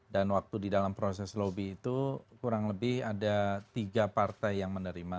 dan waktu di dalam proses lobby itu kurang lebih ada tiga partai yang menerima